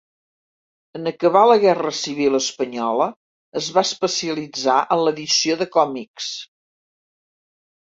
En acabar la guerra civil Espanyola, es va especialitzar en l'edició de còmics.